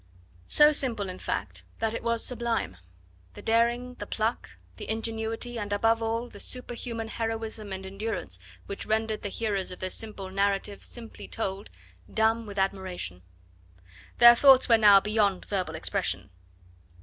So simple, in fact, that it was sublime. The daring, the pluck, the ingenuity and, above all, the super human heroism and endurance which rendered the hearers of this simple narrative, simply told, dumb with admiration. Their thoughts now were beyond verbal expression.